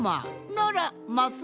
ならます